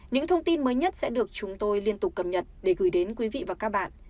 những thông tin mới nhất sẽ được chúng tôi liên tục cập nhật để gửi đến quý vị và các bạn